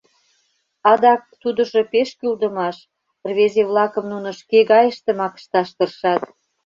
Адак тудыжо пеш кӱлдымаш: рвезе-влакым нуно шке гайыштымак ышташ тыршат...